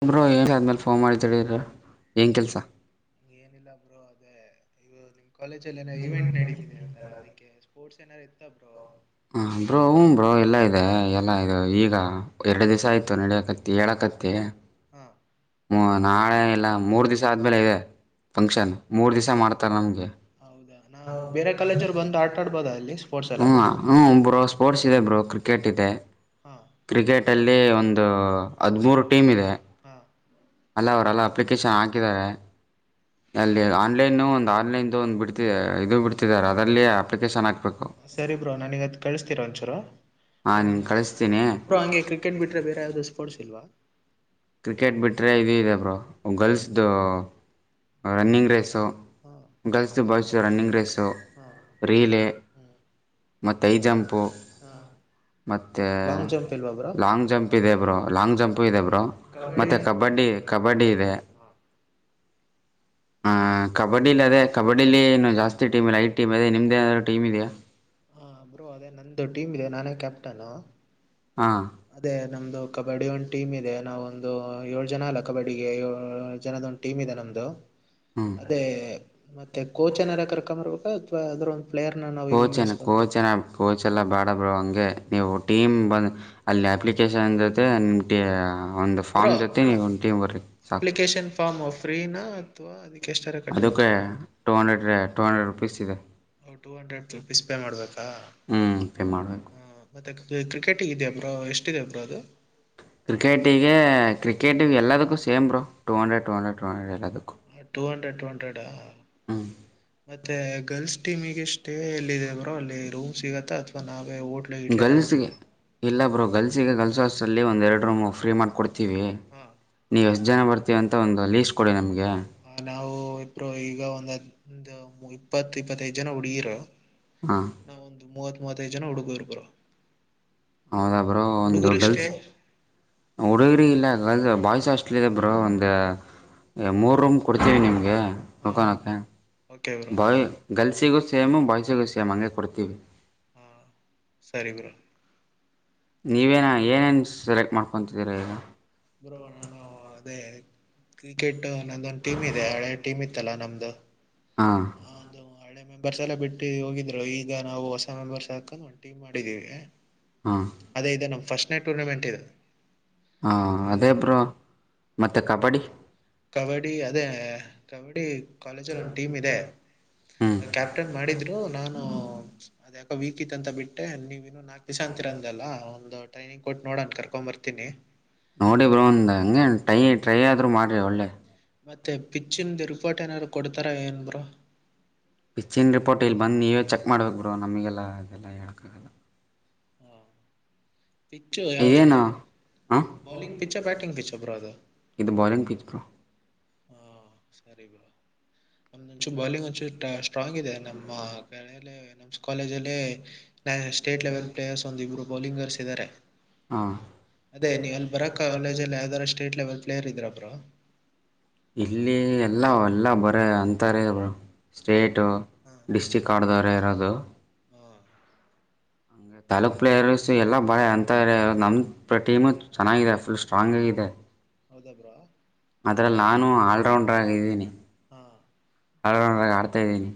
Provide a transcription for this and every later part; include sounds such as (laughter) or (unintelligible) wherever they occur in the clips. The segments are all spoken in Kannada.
ನಂಬ್ರ ಆದ್ಮೇಲೆ ಫೋನ್ ಮಾಡಿ ತಿಡೀರ ಏನ್ ಕೆಲ್ಸ ಏನಿಲ್ಲ ಬ್ರೋ ಅದೇ (unintelligible) ಕಾಲೇಜಲ್ಲೇನೋ ಇವೆಂಟ್ ನಡೀತಿದೆ ಅಂತಲ್ಲ ಅದಕ್ಕೆ ಸ್ಪೋರ್ಟ್ಸ್ ಏನಾದ್ರು ಇತ್ತ ಬ್ರೋ ಹಾ ಬ್ರೋ ಹೂಂ ಬ್ರೋ ಎಲ್ಲ ಇರ್ ಅ ಎಲ್ಲ ಈಗ ಎರಡು ದಿವಸ ಆಯ್ತು ನಡಿಯಕತ್ತಿ ಹೇಳಕತ್ತಿ ಹ್ಮ ಮೂ ನಾಳೆ ಇಲ್ಲ ಮೂರ್ ದಿವಸ ಆದ್ಮೇಲೆ ಇವೆ ಫಂಕ್ಷನ್ ಮೂರ್ ದಿವಸ ಮಾಡ್ತಾರೆ ನಮ್ಗೆ ಹೌದಾ ನಾವು ಬೇರೆ ಕಾಲೇಜವ್ರು ಬಂದು ಆಟ ಆಡ್ಬೋದಾ ಅಲ್ಲಿ ಸ್ಪೋರ್ಟ್ಸ್ ಎಲ್ಲ ಹ್ಮ್ ಹ್ಮ್ ಬ್ರೋ ಸ್ಪೋರ್ಟ್ಸ್ ಇದೆ ಬ್ರೋ ಕ್ರಿಕೆಟ್ ಇದೆ ಹಾ ಕ್ರಿಕೆಟ್ ಅಲ್ಲಿ ಒಂದು ಹದ್ಮೂರು ಟೀಮ್ ಇದೆ ಹಾ ಅಲ್ಲ ಅವ್ರಲ್ಲ ಅಪ್ಲಿಕೇಶನ್ ಹಾಕಿದ್ದಾರೆ ಅಲ್ಲಿ ಆನ್ಲೈನ್ ಒಂದು ಆನ್ಲೈನ್ ಒಂದು ಬಿಡ್ತ್ ದೆ ಇದು ಬಿಡ್ತಿದ್ದಾರೆ ಅದರಲ್ಲಿ ಅಪ್ಲಿಕೇಶನ್ ಹಾಕ್ ಸರಿ ಬ್ರೋ ನನಿಗದ್ ಕಳಿಸ್ತೀರಾ ಒಂಚೂರು ಹಾಂ ನಿಂಗೆ ಕಳಿಸ್ತೀನಿ ಬ್ರೋ ಹಂಗೆ ಕ್ರಿಕೆಟ್ ಬಿಟ್ರೆ ಬೇರೆ ಯಾವ್ದು ಸ್ಪೋರ್ಟ್ಸ್ ಇಲ್ವಾ ಕ್ರಿಕೆಟ್ ಬಿಟ್ರೆೆ ಇದಿದೆ ಬ್ರೋ ಗರ್ಲ್ಸ್ದು ರನ್ನಿಂಗ್ ರೇಸು ಹಾ ಗರ್ಲ್ಸ್ದು ಬಾಯ್ಸ್ದು ರನ್ನಿಂಗ್ ರೇಸು ಹಾ ಹ್ಮ್ ಮತ್ತೆ ಹೈ ಜಂಪು ಹಾ ಮತ್ತೆ ಲಾಂಗ್ ಜಂಪ್ ಇಲ್ವಾ ಬ್ರೋ ಲಾಂಗ್ ಜಂಪ್ ಇದೆ ಬ್ರೋ ಲಾಂಗ್ ಜಂಪು ಇದೆ ಬ್ರೋ ಕಬಡ್ಡಿ ಮತ್ತೆ ಕಬಡ್ಡಿ ಕಬಡ್ಡಿ ಇದೆ ಹಾ ಹಾ ಕಬಡ್ಡಿಲಿ ಅದೇ ಕಬಡ್ಡಿಲಿ ಏನು ಜಾಸ್ತಿ ಟೀಮ್ ಇಲ್ಲ ಐದ್ ಟೀಮ್ ಅದೆ ನಿಮ್ದೇನಾದ್ರೂ ಟೀಮ್ ಇದಿಯಾ ಹಾ ಬ್ರೋ ಅದೇ ನಂದು ಟೀಮ್ ಇದೆ ನಾನೇ ಕ್ಯಾಪ್ಟನು ಹಾಂ ಅದೇ ನಮ್ದು ಕಬಡ್ಡಿ ಒಂದ್ ಟೀಮ್ ಇದೆ ನಾವೊಂದು ಏಳು ಜನ ಅಲ್ಲ ಕಬಡ್ಡಿಗೆ ಏಳ್ ಜನದ ಒಂದ್ ಟೀಮ್ ಇದೆ ನಮ್ದು ಹ್ಞೂ ಅದೇ ಮತ್ತೆ ಕೋಚ್ ಏನಾರ ಕರ್ಕೋಬರ್ಬೇಕಾ ಅಥವಾ ಅದ್ರ ಒಂದ್ ಕೋಚೇನ ಕೋಚನಾ ಕೋಚ್ ಎಲ್ಲ ಬೇಡ ಬಿಡು ಹಂಗೆ ಗೆ ನೀವು ಟೀಮ್ ಬಂದು ಅಲ್ಲಿ ಅಪ್ಲಿಕೇಶನ್ ಜೊತೆ ನಿಮ್ ಟೀ ಒಂದು ಬ್ರೋ ಫಾರ್ಮ್ ಜೊತೆ ನೀವೊಂದ್ ಟೀಮ್ ಬರ್ರಿ ಸಾಕು ಅಪ್ಲಿಕೇಶನ್ ಫಾರ್ಮ್ ಫ್ರೀನಾ ಅಥವಾ ಅದಕ್ಕೆ ಎಷ್ಟಾರ ಅದಕ್ಕೆ ಕಟ್ಟಬೇಕಾ two hundred two hundred rupees ಇದೆ ಟೂ ಹಂಡ್ರೆಡ್ ರುಪೀಸ್ ಪೇ ಮಾಡ್ಬೇಕಾ ಹ್ಞೂ ಪೇ ಮಾಡಬೇಕು ಹಾ ಮತ್ತೆ ಇದು ಕ್ರಿಕೆಟಿಗಿದೆಯಾ ಬ್ರೋ ಎಷ್ಟಿದೆ ಬ್ರೋ ಅದು ಕ್ರಿಕೆಟಿಗೆ ಕ್ರಿಕೆಟಿಗೆ ಎಲ್ಲದಕ್ಕೂ same bro two hundred two hundred two hundred ಎಲ್ಲದು ಹಾ ಟೂ ಹಂಡ್ರೆಡ್ ಟೂ ಹಂಡ್ರೆಡ್ ಆ ಹ್ಞೂ ಮತ್ತೆ ಗರ್ಲ್ಸ್ ಟೀಮಿಗೆ ಸ್ಟೇ ಎಲ್ಲಿದೆ ಬ್ರೋ ಅಲ್ಲಿ ರೂಮ್ ಸಿಗತ್ತ ಅಥವಾ ನಾವು ಗರ್ಲ್ಸ್ಗೆ ಇಲ್ಲ ಬ್ರೋ ಗರ್ಲ್ಸ್ಗೆ ಗರ್ಲ್ಸ್ ಹಾಸ್ಸಲ್ಲಿ ಒಂದು ಎರಡು ರೂಮ್ ಫ್ರೀ ಮಾಡ್ಕೊಡ್ ತೀವಿ ಹಾಂ ನೀವ್ ಎಷ್ಟ್ ಜನ ಬರ್ತೀವಿ ಅಂತ ಒಂದು ಲೀಸ್ಟ್ ಕೊಡಿ ನಮಗ್ ಹಾ ನಾವು ಇಬ್ರು ಈಗ ಒಂದತ್ತ್ ಇಪ್ಪತ್ ಇಪ್ಪತ್ತೈದ್ ಜನ ಹುಡ್ಗಿರು ಹಾಂ ನಾವೊಂದು ಮೂವತ್ ಮೂವತ್ತೈದ ಜನ ಹುಡುಗರು ಬ್ರೋ ಹೌದಾ ಬ್ರೋ ಒಂದು ಹುಡುಗರಿಷ್ಟೇ ಗರ್ಲ್ಸ್ ಹುಡುಗರಿಗಿಲ್ಲ (unintelligible) ಬಾಯ್ಸ್ (unintelligible) ಬ್ರೋ ಒಂದ ಮೂರ್ ರೂಮ್ ಕೊಡ್ತೀವಿ ನಿಮ್ಗೆ ಹಾ (unintelligible) ಓಕೆ ಬ್ರೋ ಬಾಯ್ ಗರ್ಲ್ಸಿಗೂ ಸೇಮ್ ಬಾಯ್ಸಿಗೂ ಸೇಮ್ ಸೇಮ್ ಹಂಗೆ ಕೊಡ್ತೀವಿ ಹಾ ಸರಿ ಬ್ರೋ ಮತ್ ನೀವೇನ ಏನೇನು ಸೆಲೆಕ್ಟ್ ಮಾಡ್ಕೊತಿದ್ದೀರಾ ಈಗ ಬ್ರೋ ನಾನು ಅದೇ ಕ್ರಿಕೆಟ್ ನನ್ನದೊಂದು ಟೀಮ್ ಇದೆ ಹಳೆ ಟೀಮ್ ಇತ್ತಲ್ಲಾ ನಮ್ದು ಹಾಂ ಅದು ಹಳೆ ಮೆಂಬರ್ಸ್ ಎಲ್ಲ ಬಿಟ್ಟೀ ಹೋಗಿದ್ರು ಈಗ ನಾವು ಹೊಸ ಮೆಂಬರ್ಸ್ ಹಾಕೊಂಡು ಒಂದು ಟೀಮ್ ಮಾಡಿದ್ದೀವಿ ಹಾಂ ಅದೇ ಇದು ನಮ್ ಫಸ್ಟನೆ ಟೂರ್ನಮೆಂಟ್ ಇದು ಹಾ ಅದೇ ಇದೊಂದು ಬ್ರೋ ಮತ್ತೆ ಕಬಡ್ಡಿ. ಕಬಡ್ಡಿ ಅದೇ ಕಬಡ್ಡಿ ಕಾಲೇಜಲ್ಲಿ ಒಂದು ಟೀಮ್ ಇದೆ ಹ್ಞೂ ಕ್ಯಾಪ್ಟನ್ ಮಾಡಿದ್ರು ನಾನು ಅದ್ ಯಾಕ್. ವೀಕಿತ್ ಅಂತ ಬಿಟ್ಟೆ ನೀವ ನಾಲ್ಕ್ ದಿವ್ ಅಂತರಂದಲ್ಲ ಒಂದು ಟ್ರೈನಿಂನಿನ್ಗ್. ನೋಡಿ ಬ್ರೊ ಒಂದ ಹಂಗೆ ಟೈ ಟ್ರೈ ಆದ್ರರು ಮಾಡ್ರಿ ಒಳ್ಳೆ ಮತ್ತೆ ಪಿಚ್ಚನ್ ರಿಪೋರ್ಟ್ ಏನಾದ್ರು ಕೊಡ್ತಾರ ಏನ್ ಬ್ರೊ ಪಿಚ್ಚಿನ ರಿಪೋರ್ಟ್ ಇಲ್ಲಿ ಬಂದು ನೀವೇ ಚೆಕ್ ಮಾಡ್ಬೇಕು ಬ್ರೋ ನಮಗೆಲ್ಲ ಅದೆಲ್ಲ ಹೇಳ್ಕ್ಕಾಗಲ್ಲ. ಪಿಚ್ಚು ಯಾವುದು ಏನು ಹಾಂ bowling pitch batting pitch bro ಅದು ಇದು ಬಾಲಿಂಗ್ ಪಿಚ್ ಬ್ರೋ ಹಾಂ ಸರಿ ಬ್ರೊ ನಮಂಚು ಬೌಲಿಂಗ್ ಒಂನ್ಚೂರ್ ಸ್ಟ್ರಾಂಗ್ ಇದೆ (unintelligible) ನಮ್ ಕಾಲೇಜ್ ಅಲ್ಲೆ (unintelligible) ಸ್ಟೇಟ್ ಲೆವೆಲ್ ಪ್ಲೇಯರ್ಸ್ ಒಂದು ಇಬ್ಬರು ಬೌಲಿಂಗರ್ಸ್ ಇದಾರೆ ಹಾಂ ಅದೇ ನೀವು ಅಲ್ಲಿ ಬರಾಕ್ಕ ಕಾಲೇಜಲ್ಲಿ ಯಾವ್ದಾದಾರೂ ಸ್ಟೇಟ್ ಲೆವೆಲ್ ಪ್ಲೇಯರ್ ಇದ್ರ ಬ್ರೊ ಇಲ್ಲಿ ಎಲ್ಲ ಎಲ್ಲ ಬರೆ ಅಂತಾರೆ ಬ್ರೊ ಸ್ಟೇಟ್ ಹಾಂ ಡಿಸ್ಟಿಕ್ ಆಡ್ದವರೇ ಇರೋದು ಹಾಂ ಹಗೆ ತಾಲೂಕಪ್ಲೇಯರ್ ಪ್ಲೇಯರ್ಸ್ ಎಲ್ಲ ಬಹಳ ಅಂತವ್ರೇ ನಮ್ಮ್ ಟೀಮು ಚೆನ್ನಾಗಿದೆ ಫುಲ್ ಸ್ಟ್ರಾಂಗ್ ಆಗಿ ಇದೆ ಹೌದ ಬ್ರೋ ಅದ್ರಲ್ ನಾನು ಅಲ್ಲರೌಂಡ್ ಹಾ ಇದೀನಿ ಹಾಂ ಆ ಆಡ್ತಾ ಇದ್ದೀನಿ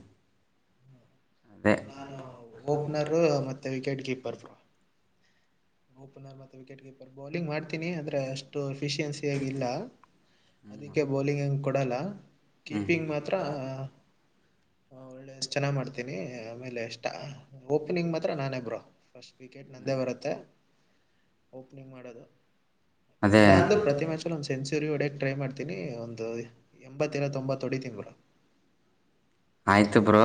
ಅದೇ ನಾನು ಓಪನರ್ ಮತ್ತೆ ವಿಕೆಟ್ ಕೀಪರ್ ಬ್ರೊ ಓಪನರ್ ಮತ್ತೆ ವಿಕೆಟ್ ಕೀಪರ್ ಬೌಲಿಂಗ್ ಮಾಡ್ತೀನಿ ಆದ್ರೆ ಅಷ್ಟು ಎಫಿಶಿಯನ್ಸಿ ಎನಿಲ್ಲ. ಅದಕ್ಕೆ ಬೌಲಿಂಗ್ ಹಂಗ ಕೊಡಲ್ಲ ಹ್ಞೂ ಕೀಪಿಂಗ್ ಮಾತ್ರ. ಹ ಒಳ್ಳೆ ಚೆನ್ನಾಗ್ ಮಾಡ್ತೀನಿ ಆಮೇಲೆ ಇಷ್ಟ ಓಪನಿಂಗ್ ಮಾತ್ರ ನಾನೇ ಬ್ರೋ ಫಸ್ಟ್ ವಿಕೆಟ್ ನಂದೇ ಬರುತ್ತೆ ಓಪನಿಂಗ್ ಮಾಡೋದು ಅದೇ ಇಲ್ಲ ಅಂದ್ರೆ ಪ್ರತಿ ಮ್ಯಾಚ್ ಅಲ್ಲೂ ಒಂದ್ ಸೆಂಚುರಿ ಒಡೆ ಟ್ರೈ ಮಾಡ್ತೀನಿ ಒಂದು ಎಂಬತ್ತರ ತೊಂಬತ್ ಒಡಿತೀನಿ ಬ್ರೊ ಆಯ್ತು ಬ್ರೋ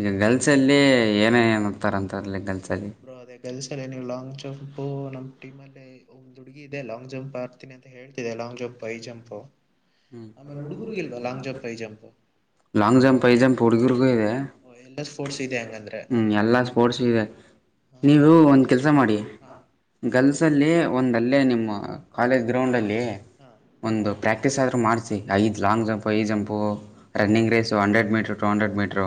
ಈಗ ಗರ್ಲ್ಸ್ ಅಲ್ಲಿ ಏನ ಏನುತಾರಂತಲ್ಲಿ ಗರ್ಲ್ಸ್. ಬ್ರೋ ಅದೇ ಗರ್ಲ್ಸ್ ಅಲ್ಲಿ ಏನು ಇಲ್ಲ ಜಂಪು ನಮ್ ಟೀಮ್ಲ್ಲಿ ಒಂದ್ ಹುಡುಗಿ ಇದೆ ಲಾಂಗ್ ಜಂಪ್ ಹಾರ್ತಿನಿ ಅಂತ ಹೇಳ್ತಿದೆ ಲಾಂಗ್ ಜಂಪ್ ಹೈ ಜಂಪು ಹ್ಮ high jump long jump high jump ಹುಡುಗಿರು ಇದೆ ಎಲ್ ಡಾಸ್ ಫೋರ್ಸ್ ಹ್ಮ್ ಎಲ್ಲಾ ಸ್ಪೋರ್ಟ್ಸ್ ಇವೆ ಹಾ ನೀವು ಒಂದ್ ಕೆಲ್ಸ ಮಾಡಿ ಹಾ ಗರ್ಲ್ಸ್ ಅಲ್ಲಿ ಒಂದ್ ಅಲ್ಲೇ ನಿಮ್ಮ ಕಾಲೇಜ್ ಗ್ರೌಂಡ್ ಅಲ್ಲಿ ಹಾ ಒಂದು ಪ್ರಕ್. ಪ್ರ್ಯಾಕ್ಟೀಸ್ ಆದರೂ ಮಾಡಿಸಿ ಐದು ಲಾಂಗ್ ಜಂಪು, ಹೈ ಜಂಪು, ಹಾ running race hundred metre two hundred metre.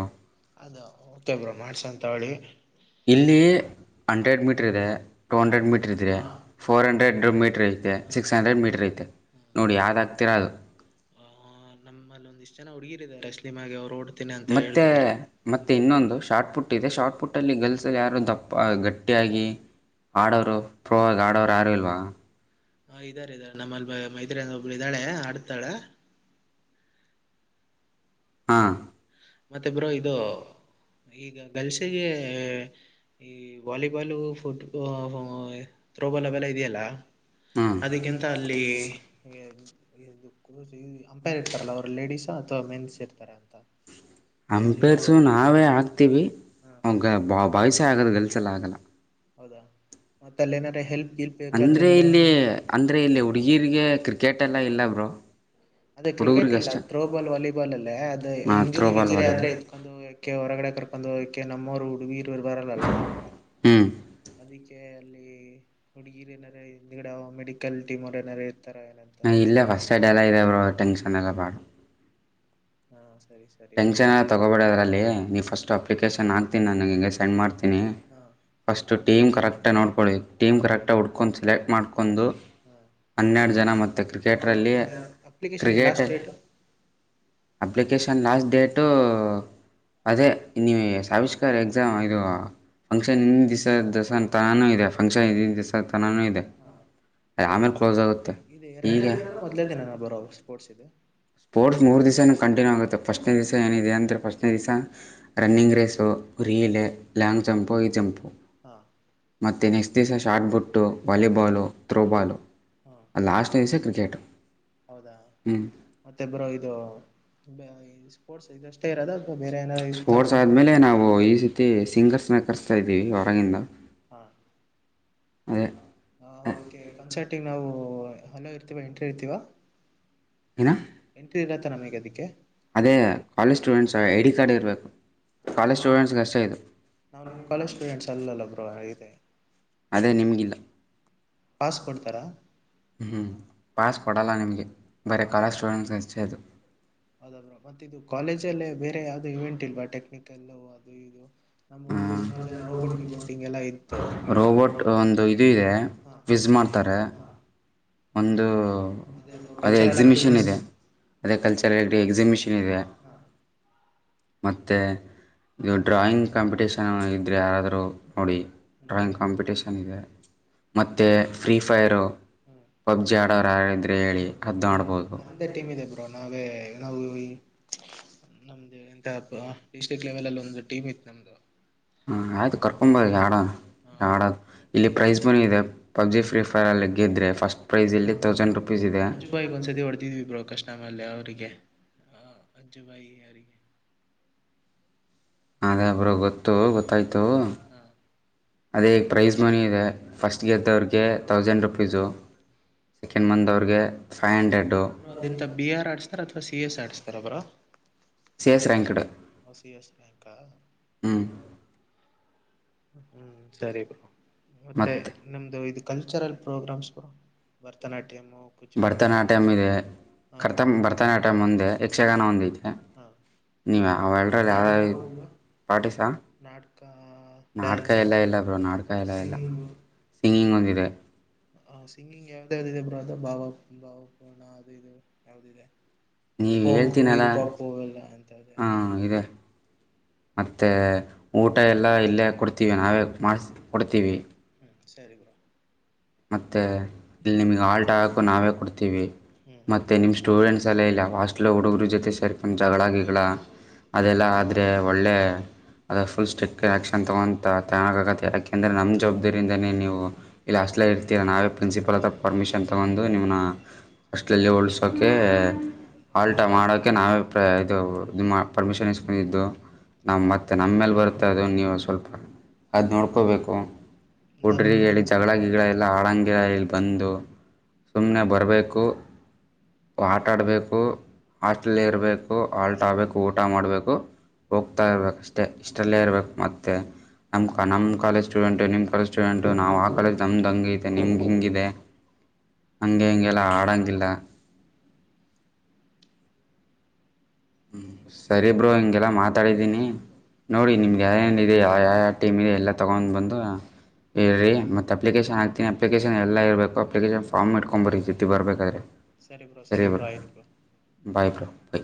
ಅದು ಓಕೆ ಬ್ರೋ ಮಾಡ್ಸಂತ ತಗೋಳಿ. ಇಲ್ಲಿ ಹಂಡ್ರೆಡ್ ಮೀಟ್ರ್ ಇದೆ ಟೂ ಹಾ ಹಂಡ್ರೆಡ್ ಮೀಟ್ರ್ ಇದೆ ಹಾ ಫೋರ್ ಹಂಡ್ರೆಡ್ ಮೀಟ್. ಐತೆ ಹಾ ಸಿಕ್ಸ್ ಹಂಡ್ರೆಡ್ ಹಾ ಮೀಟರ್ ಐತೆ ನೋಡಿ ಯಾವ್ದ ಹಾಕ್ತಿರಾ ಅದು ಎಷ್ಟ್ ಜನ ಹುಡುಗಿದಾರೆ (unintelligible) ಅವ್ರು ಓಡ್ ಮತ್ತೆ ಮತ್ತೆ ಇನ್ನೊಂದು ಶಾರ್ಟ್ ಪುಟ್ ಇದೆ ಶಾರ್ಟ್ ಪುಟ್ ಟಲ್ಲಿ ಗರ್ಲ್ಸ್ ಯಾರು ದಪ್ಪ ಗಟ್ಟಿಯಾಗಿ ಆಡೋರು ಪ್ರ ಆಡೋರು ಯಾರು ಇಲ್ವಾ ಹಾ ಇದ್ದಾರೆ ಇದಾರೆ ನಮ್ಮಲ್ಲಿ ಮೈತ್ರಿಯಂದ ಒಬ್ ಇದ್ದಾಳೆ ಆಡ್ತಾಳೆ ಹ ಹಾಂ ಮತ್ತೆ ಬ್ರೋ ಇದು ಈಗ ಗರ್ಲ್ಸ್ಗೆ ಈ ವಾಲಿಬಾಲು ಫುಟ್ ಥ್ರೂ ಬಾಲ್ (unintelligible) ಇದೆಯಲ್ಲ ಹಾಂ ಅದಕ್ಕಿಂತ ಅಲ್ಲಿ ಅಂಪೈರ್ ಇರ್ತಾರಲ್ಲ ಅವರು ಲೇಡೀಸ್ ಅಥವಾ ಮೆನ್ಸ್ ಇರ್ತಾರೆ ಅಂಪೇರ್ಸು ನಾವೇ ಹಾಕ್ತಿೀವಿ ಹಾ ಒಗ ಬಾಬ ಬಾಯ್ಸ್ ಆಗೋದು ಅಲ್ಲ ಆಗಲ್ಲ ಹೌದಾ ಮತ್ತ ಅಲ್ಲಿ ನಾದ್ರೆ ಹೆಲ್ಪ್ ಗಿಲ್ಪ್ ಅಂದ್ರೆ ಬೇಕಾದಂದ್ರೆ ಇಲ್ಲಿ ಅಂದ್ರೆ ಇಲ್ಲಿ ಹುಡುಗಿರಿಗೆ ಕ್ರಿಕೆಟ್ ಎಲ್ಲ ಇಲ್ಲ ಬ್ರೋ ಅದೇ ಕ್ರಿಕೆಟ್ ಇಲ್ಲ ಹುಡುಗರಿಗಷ್ಟೇ ಥ್ರೋಬಾಲ್ ವಾಲಿಬಾಲ್ ಅಲ್ಲೇ ಅದೆ ಹಾಂ ಇಂಜುರಿ ತ್ರೋಬಾಲ್ ಗಿನ್ಜುರಿ ಆದ್ರೆ ವಾಲಿಬಾಲ್ ಎತ್ಕೊಂಡ್ ಹೋಗಕೆ ಹೊರ್ಗಡೆ. ಕರ್ಕೊಂಡು ಹೋಗಕೆ ನಮೋರೆ ಹುಡುಗೀರು ಬರಲಲ್ಲ ಹ್ಞೂ ಅಲ್ಲಿ ಹುಡುಗಿರಿ ಏನಾರ ಹಿಂದ್ಗಿಡ ಮೆಡಿಕಲ್ ಟೀಮ್ ಅವರು ಏನಾರ ಇರ್ತಾರ ಏನಂತ ಇಲ್ಲ ಫರ್ಸ್ಟ್ ಐ ಎಲ್ಲ ಇ ಟೆನ್ನ್ ಎಲ್ಲಾ ಹ್ಮ (inaudible) ಟೆನ್ ಏನ್ ತಗೋಬೇಡ ಅದರಲ್ಲಿ ನೀವು ಫಸ್ಟ್ ಅಪ್ಲಿಕೇಶನ್ ಹಾತೀನಿ ನನಗೆ ಸಂಡ್ ಮಾಡ್ತೀನಿ ಹಾ ಫಸ್ಟ್ ಟೀಮ್ ಕರೆಕ್ಟ್ ನೋಡ್ಕೊಳ್ಳಿ ಹಾ ಟೀಮ್ ಕರೆಕ್ಟ್ ಹುಡ್ಕೊಂಡು ಸೆಲೆಕ್ಟ್ ಮಾಡ್ಕೊಂಡು ಒಂದು ಹಾ ಹನ್ನೆರಡು ಜನ ಮತ್ತು ಬ್ರೋ ಕ್ರಿಕೆಟರಲ್ಲಿ ಮತ್ತೆ application cricket last date (inaudible) application last date ಅದೇ ನೀವು ಸಾವಿಸಕ ಸರ್ ಎಕ್ಸಾಮ್ ಇದು ಫಂಕ್ಷನ್ ಇನ್ನ ದಿವಿಸದ ದಸ ತನಾನೂ ಇದೆ ಫಂಕ್ಷನ್ ಇಿನ ದಿವಿಸದ ತನಾನು ಇದೆ ಹಾ ಅ ಆಮೇಲೆ ಕ್ಲೋಸ್ ಆಗುತ್ತೆ ಇದು ಎರಡನೇ ಈಗ ದಿನನ ಮೊದಲೇ ದಿನನ ಬರೋ ಸ್ಪೋರ್ಟ್ಸ್ ಇದು ಸ್ಪೋರ್ಟ್ ಮೂರು ದಿವಸ ಕಂಟಿನ್ಯೂ ಆಗೆ ಮತ್ತು ಫಸ್ಟ್ನೇ ದಿವಸ ಏನಿದೆ ಅಂದರೆ ಫಸ್ಟ್ನೇ ದಿವಸ ರನ್ನಿಂಗ್ ರೇಸು ರೀಲ ಲಾಂಗ್ ಜಂಪು ಈ ಜಂಪು ಹಾ ಮತ್ತು ನೆಕ್ಸ್ಟ್ ದಿವಸ ಶಾರ್ಟ್ಬುಟ್ಟು ವಾಲಿಬಾಲು ತ್ರೋಬಾಲು ಹಾ ಲಾಸ್ಟ್ ವಸೇ ಕ್ರಿಕೆಟ್ ಹೌದಾ ಹ ಮತ್ತೆ ಬ್ರೋ ಇದು ಸ್ಪೋರ್ಟ್ಸ್ ಇದಷ್ಟೇ ಇರೋದ ಅಥವಾ ಬೇರೆ ಏನಾರ ಇತ್ತ ಸ್ಪೋರ್ಟ್ಸ್ ಬ್ರೋ ಆದ್ಮೇಲೆ ನಾವು ಈ ರೀತಿ ಸಿಂಗರ್ಸ್ನ ಕರೆಸ್ತಾ ಇದ್ದೀವಿ ಹೊರಗಿಂದ ಹಾ ಅದೇ ಹದಕ್ಕೆ ಕನ್ಸರ್ಟಂಗ ನಾವು ಹಲೋ ಇರ್ತೀವ ಎಂಟ್ರಿ ಇರ್ತೀವಾ ಏನ ಎಂಟ್ರಿ ಇಲ್ಲ ತ ನಮಗೆ ಅದಕ್ಕೆ ಅದೇ college students I D card ಇರ್ಬೇಕು ಅಲ್ಲ ನಾವವು ನಾ್ ನಿಮ್ ಕಾಲೇಜ್ ಸ್ಟೂಡೆಂಟ್ಸ್ ಅಲ್ಲಲ್ಲಬ್ರು ಹಾಗಿದೆ ಅದೇ ನಿಮಗಿಲ್ಲ ಪಾಸ್ ಕೊಡ್ತಾರಾ ಹ್ ಪಾಸ್ ಕೊಡಲ್ಲ ನಿಮಗೆ ಬಾರೆ ಕಾಲೇಜು ಸ್ಟೂಡೆಂಟ್ಸ್ ಅಷ್ಟೆ ಅದು ಹೌದಾದ ಮತ್ತೆ ಇದು ಕಾಲೇಜ ಅಲ್ಲೇ ಬೇರೆ ಯಾವ್ದು ಇವೆಂಟ್ ಇಲ್ವಾ ಟೆಕ್ನಿಕಲ್ಲ ಅದು ಇದು ನಮ್ಮ ಹುಡುಗರು ಸುಮಾರು ಹ್ಮ ಜನ ರೋಬೋಟ್ ಗಿಬೋಟ್ ಹಿಂಗೆಲ್ಲ ಇತ್ತು ರೋಬೋಟ್ ಒಂದು ಇದು ಇದೆ ಹಾಂ ವಿಿಸ ಮಾಡ್ತಾರೆ (inaudible) ಒಂದು ಬ್ರೋ ಅದೇ ಕಲ್ಚರಲ್ ಎಕ್ಸಿಬಿಷನ್ ಆಕ್ಟಿವಿಟೀಸ್ ಇದೆ ಅದೇ ಕಲ್ಚರ್ ಎಕ್ಸಿಬಿಷನ್ ಇದೆ ಹಾಂ ಮತ್ತೆ ಇದು ಡ್ರಾಯಿಂಗ್ ಕಾಂಪಿಟೇಷನ್ ಇದ್ರೆ ಯಾರಾದ್ರೂ ನೋಡಿ ಡ್ರಾಯಿಂಗ್ ಕಾಂಪಿಟೇಷನ್ ಚೆನ್ನಾಗಿದೆ (unintelligible) ಮತ್ತು ಫ್ರೀ ಫೈರು ಹ್ಞೂ ಪಬ್ಜಿ ಆಡೋರು ಇದ್ರೆ ಹೇಳಿ ಹ್ಞೂ ಅದ ಆಡ್ಬೋದು ನಮ್ಮದೇ ಟೀಮ್ ಇದೆ ಬ್ರೋ ನಾವೇ ನಾವು ನಮ್ದ ಎಂತ ಡಿಸ್ಟ್ರಿಕ್ ಲೆವೆಲ್ ಅಲ್ಲಿ ಒಂದು ಟೀಮ್ ಇತ್ತು ನಮ್ದು ಹ ಆಯ್ತು ಕರ್ಕೊಂಬರ ಆಡ ಹಾಂ ಯಾಡ ಇಲ್ಲಿ ಪ್ರೈಸ್ ಬನ ಇದೆ ಪಬ್ಜಿ ಫ್ರೀ ಫೈರ್ ಅಲ್ಲಿ ಗೆದ್ರೆ ಫಸ್ಟ್ ಪ್ರೈಸ್ ಹಾ ಇಲ್ಲಿ ತೌಸಂಡ್ ರುಪೀಸ್ ಇದೆ ಅಜ್ಜು ಬಾಯಗ್ ಒಂದ್ಸತಿ ಹೊಡೆದಿದ್ವಿ ಬ್ರೋ ಕಷ್ಟ ಮೇಲೆ ಅವ್ರಿಗೆ. ಹಾ ಅಜ ಭಾಯ ಯಾರ. ಅದೇ ಬರೋ ಗೊತ್ತು ಗೊತ್ತಾಯ್ತು ಹಾ ಅದೇಗ ಪ್ರೈಸ್ ಮನಿ ಇದೆ ಫಸ್ಟ್ ಗೆದ್ದವ್ರಗೆ ತೌಸಂಡ್ ರುಪೀಸು ಸೆಕೆಂಡ್ ಮಂದತ್ ಅವ್ರಗೆ ಫೈವ್ ಹಂಡ್ರೆಡ್ ಬ ಅದಂತ ಬಿ ಆರ್ ಆಡಿಸಸ್ತಾರ ಅಥವಾ ಸಿ ಎಸ್ ಆಡ್ಸ್ತಾರಬ್ರಾ C S ranked C S (unintelligible) ಹ್ಞೂ ಹ್ಮ್ ಸರಿ ಬಾ ಮತ್ತೆ ಮತ್ತು ನಮ್ದು ಇದ್ ಕನ್ ಕಲ್ಚರಲ್ ಪ್ರೋಗ್ರಾಮ್ಸ್ ಕೂಡ ಭರತನಾಟ್ಯ ಭರತನಾಟ್ಯಂ ಇದೆ ಹಾ ಕರ್ತಂ ಭರತನಾಟ್ಯಮ ಮುಂದೆ ಯಕ್ಷಗಾನ ಒಂದೈತೆ ಹಾ ನೀವು ಅವ್ ಎರ್ಡಲ್ಲಿ ಯಾರು ನಾಟಕ ಬ್ರೋ ಪಾರ್ಟಿಸಾ ನಾಟಕ ನಾಟಕ ಡ್ಯಾನ್ಸ್ ಎಲ್ಲ ಇಲ್ಲ ಬ್ರೋ ನಾಟಕ ಎಲ್ಲ ಇಲ್ಲ ಸಿಂಗಿಂಗ್ ಒಂದಿದೆ ಹ ಸಿಂಗಿಂಗ್ ಯಾವ್ದ ಯಾವ್ದ ಇದೆ ಬ್ರೋ ಅದ ಬಾಬ ಬಾಬಪಣ ಅದು ಇದು ಯಾವ್ದದೆ ನೀವ ಹೇಳ್ತೀನಲ್ಲ ಅಂತದೆ ಹಾ ಅಂತ ಇದೆ ಮತ್ತೆ ಊಟ ಎಲ್ಲ ಇಲ್ಲೇ ಕೊಡ್ತೀವಿ ನಾವೇ ಮಾಡ ಕೊಡ್ತೀವಿ ಹ್ಮ್ ಸರಿ ಮತ್ತೆ ಇಲ್ಲಿ ನಿಮಗ್ ಆಲ್ಟ್ ಹಾಕು ನಾವೇ ಕೊಡ್ತೀವಿ ಹ್ಮ್ ಮತ್ತೆ ನಿಮ್ ಸ್ಟೂಡೆಂಟ್ಸ್ ಎಲ್ಲ ಇಲ್ಲ ಹಾಸ್ಟೆಲ್ ಹುಡುಗರು ಜೊತೆ ಸೆರ್ಕೋಂಡ್ ಜಗ್ಳಗಿಗ್ಳಾ ಅದೆಲ್ಲ ಆದರೆ ಒಳ್ಳೆ (inaudible) ಅದ ಫುಲ್ ಸ್ಟ್ರಿಕ್ ಆ್ಯಕ್ಷನ್ ತೊಗೊ ತಾಗತ್ತೆ ಯಾಕೆಂದ್ರೆ ನಮ್ಮ ಜವಾಬ್ದಾರಿಯಿಂದಾನೇ ನೀವು ಇಲ್ಲ ಅಷ್ಟು ಲ ಇರ್ತೀರಾ ನಾವೇ ಪ್ರಿನ್ಸಿಪಲ್ ಹತ್ರ ಪರ್ಮಿಷನ್ ತಗೊಂಡು ನಿಮ್ಮ ಅಷ್ಟ ಲಲ್ಲಿ ಉಳ್ಸೋಕೆ ಆಲ್ಟ ಮಾಡೋಕ್ಕೆ ನಾವೇ ಪ್ರ ಇದು ಇದು ಮಾ ಪರ್ಮಿಷನ್ ಇಸ್ಕೊಂಡಿದ್ದು ನಾವು ಮತ್ತೆ ನಮ್ಮ ಮೇಲೆ ಬರುತ್ತಾ ಅದು ನೀವು ಸ್ವಲ್ಪ ಅದ್ ನೋಡ್ಕೋಬೇಕು ನಮ್ ಊಟ್ರರಿಗೆ ಹೇಳಿ ಜಗಳಾಗಿ ಅವರಂಗೆ ಇಲ್ಲಿ ಬಂದು ಸುಮ್ಮ್ನೆ ಬರಬೇಕು ಆಟ ಆಡ್ಬೇಕು ಹಾಸ್ಟೆಲ್ ಇರ್ಬೇಕು ಆಲ್ಟ್ ಆಬೇಕು ಊಟ ಮಾಡ್ಬೇಕು ಹೋಗ್ತಾ ಇರ್ಬೇಕು ಅಷ್ಟೇ ಇಷ್ಟಲ್ಲೇ ಇರ್ಬೇಕು ಮತ್ತೆ ನಮ್ ನಮ್ಮ ಕಾಲೇಜ್ ಸ್ಟೂಡೆಂಟ್, ನಿಮ್ ಕಾಲೇಜ ಸ್ಟೂಡೆಂಟ್ ನಾವು ಆ ಕಾಲಜ್ ತಮ್ದು ಹಂಗ ಐತೆ ನಿಮ್ಗೆ ಹಿಂಗ ಇದೆ, ಹಂಗೆ ಹಿಂಗೆಲ್ಲ ಆಡಂಗಿಲ್ಲ. (unintelligible) ಹ್ಮ ಸರಿ ಬ್ರೋ ಹಿಂಗೆಲ್ಲ ಮಾತಾಡಿದೀನಿ. ನೋಡಿ ನಿಮ್ಗೆ ಯಾರೇ ಏನ್ ಇದೆ ಯಾವ ಟೀಮ್ ಇದೆ ಎಲ್ಲಾ ತಗೊಂಡ್ ಬಂದು ಹೇಳಿ ಮತ್ತ ಅಪ್ಲಿಕೇಶನ್ ಹಾಕ್ತೀನಿ ಅಪ್ಲಿಕೇಶನ್ ಎಲ್ಲ ಇರ್ಬೇಕು ಅಪ್ಲಿಕೇಶನ್ ಫಾರ್ಮ್ ಇಟ್ಕೊಂಬರ್ಬೆಕು ಬರ್ತತಿರ್ಬೇಕಾದ್ರೆ. ಸರಿ ಬ್ರೋ ಸರಿ ಬ್ರೋ ಆಯ್ತ್ ಬ್ರೊ. ಹ